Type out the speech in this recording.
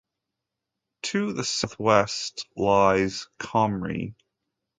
To the south-southwest lies Comrie.